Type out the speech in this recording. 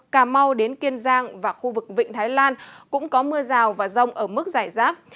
cà mau đến kiên giang và khu vực vịnh thái lan cũng có mưa rào và rông ở mức giải rác